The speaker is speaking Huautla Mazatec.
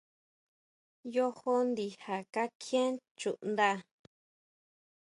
Yojo ndija kakjién chuʼnda.